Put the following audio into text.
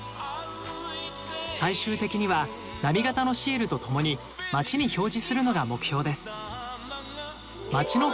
最終的には波形のシールと共に街に表示するのが目標です。